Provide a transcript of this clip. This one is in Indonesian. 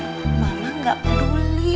mama nggak peduli